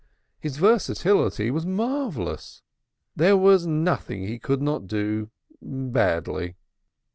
His versatility was marvellous. There was nothing he could not do badly.